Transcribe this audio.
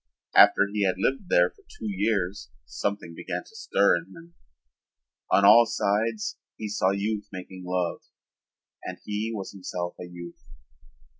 After he had lived there for two years something began to stir in him. On all sides he saw youth making love and he was himself a youth.